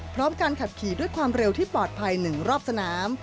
พร้อมการขับขี่ด้วยความเร็วที่ปลอดภัย๑รอบสนาม